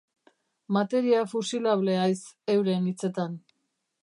Materia fusilable haiz, euren hitzetan.